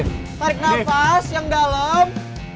tarik nafas yang dalam